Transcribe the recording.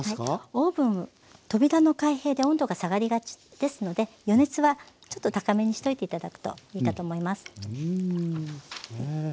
オーブン扉の開閉で温度が下がりがちですので予熱はちょっと高めにしておいて頂くといいかと思います。